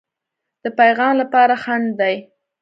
د پیغام لپاره خنډ دی.